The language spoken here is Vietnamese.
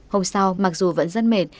hôm sau mặc dù vẫn rất mệt